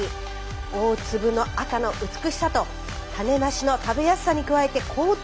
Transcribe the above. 大粒の赤の美しさと種なしの食べやすさに加えて高糖度の甘みが特徴。